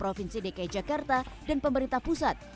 provinsi dki jakarta dan pemerintah pusat